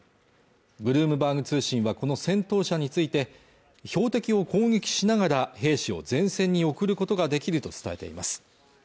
ブルームバーグ通信はこの戦闘車について標的を攻撃しながら兵士を前線に送ることができると伝えています